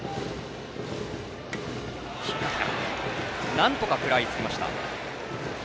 なんとか食らいつきました。